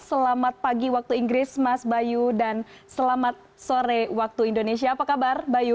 selamat pagi waktu inggris mas bayu dan selamat sore waktu indonesia apa kabar bayu